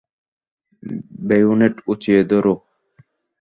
Bayonet উঁচিয়ে ধরো!